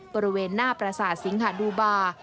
บริเวณหน้าประสาทสิงหาดูบา